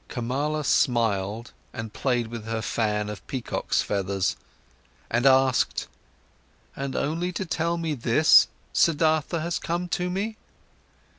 Kamala smiled and played with her fan of peacocks' feathers. And asked: "And only to tell me this, Siddhartha has come to me?"